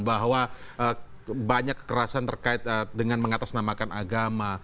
bahwa banyak kekerasan terkait dengan mengatasnamakan agama